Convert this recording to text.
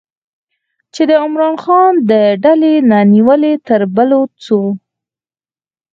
چې د عمران خان د ډلې نه نیولې تر بلوڅو